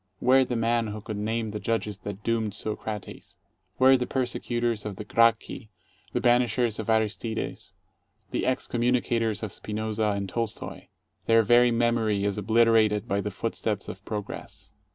Where the man who could name the judges that doomed Socrates? Where the persecutors of the Gracchi, the banishers of Aristides, the excom municators of Spinoza and Tolstoy? Their very memory is obliter ated by the footsteps of Progress.